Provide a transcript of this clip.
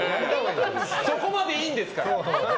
そこまでいいんですから。